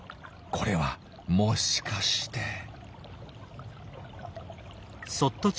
これはもしかして。